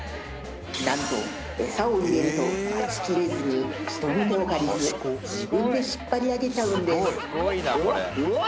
何とエサを入れると待ちきれずに人の手を借りず自分で引っ張り上げちゃうんですわっ